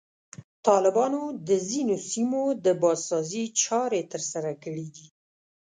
طالبانو د ځینو سیمو د بازسازي چارې ترسره کړي دي.